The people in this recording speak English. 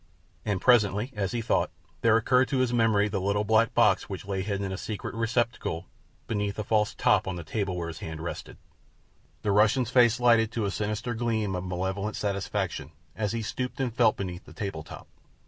And presently as he thought there recurred to his memory the little black box which lay hidden in a secret receptacle beneath a false top upon the table where his hand rested. The Russian's face lighted to a sinister gleam of malevolent satisfaction as he stooped and felt beneath the table top.